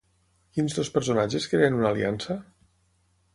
Quins dos personatges creen una aliança?